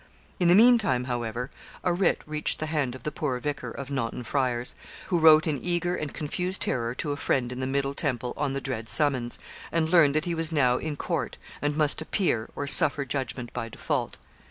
In the meantime, however, a writ reached the hand of the poor Vicar of Naunton Friars, who wrote in eager and confused terror to a friend in the Middle Temple on the dread summons, and learned that he was now 'in court,' and must 'appear,' or suffer judgment by default.